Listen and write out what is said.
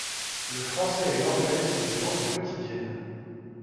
Le français et l'anglais sont des langues quotidiennes.